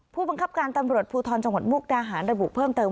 ผู้บังคับการตำรวจภูทรจังหวัดมุกดาหารระบุเพิ่มเติม